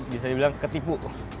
bisa dibilang ketipu